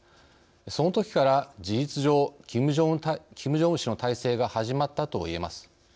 そのときから、事実上キム・ジョンウン氏の体制が始まったといえます。